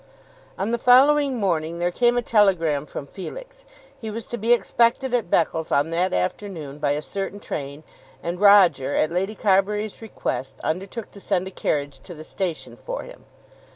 On the following morning there came a telegram from Felix. He was to be expected at Beccles on that afternoon by a certain train; and Roger, at Lady Carbury's request, undertook to send a carriage to the station for him.